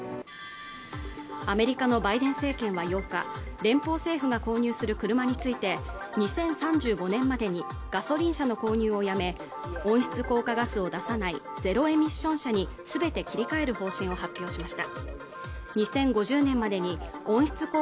アメリカのバイデン政権は８日連邦政府が購入する車について２０３５年までにガソリン車の購入をやめ温室効果ガスを出さないゼロ・エミッション車にすべて切り替える方針を発表しました